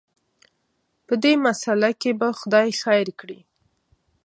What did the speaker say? په دې مساله کې به خدای خیر کړي.